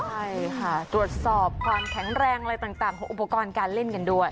ใช่ค่ะตรวจสอบความแข็งแรงอะไรต่างของอุปกรณ์การเล่นกันด้วย